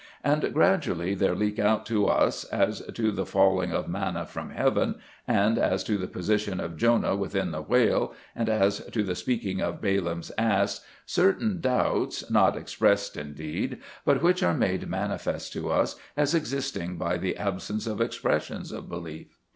And gradually there leak out to us, as to the falling of manna from heaven, and as to the position of Jonah within the whale, and as to the speaking of Balaam's ass, certain doubts, not expressed indeed, but which are made manifest to us as existing by the absence of expressions of belief.